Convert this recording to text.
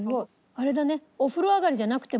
あれだね。